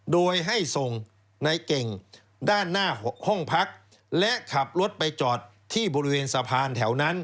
โดยให้ส่งในเก่งด้านหน้าห้องพักและขับรถไปจอดที่บริเวณสะพานแถวนั้น